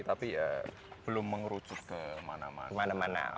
tapi ya belum mengerucut kemana mana